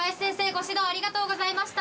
ご指導ありがとうございました。